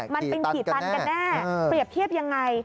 มันเป็นกี่ตันกันแน่เปรียบเทียบยังไง